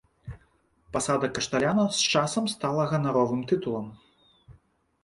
Пасада кашталяна з часам стала ганаровым тытулам.